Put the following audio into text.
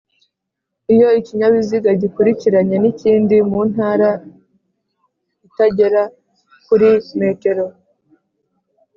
Iyo Ikinyabiziga gikurikiranye n’ ikindi muntara itagera kuri m